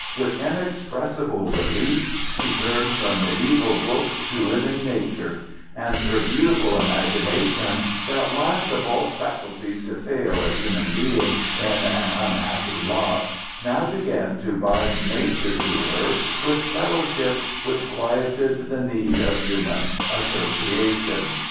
With inexpressible relief she turned from mediæval books to living nature; and her beautiful imagination, that last of all faculties to fail a human being in an unhappy lot, now began to bind nature to her with fellowships which quieted the need of human association.